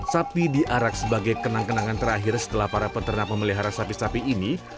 sapi diarak sebagai kenang kenangan terakhir setelah para peternak memelihara sapi sapi ini